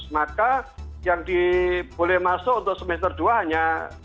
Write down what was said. maka yang diboleh masuk untuk semester dua hanya lima puluh